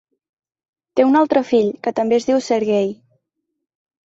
Té un altre fill, que també es diu Sergei.